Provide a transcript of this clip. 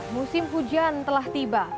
musim hujan telah tiba